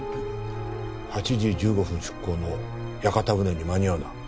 ８時１５分出航の屋形船に間に合うな。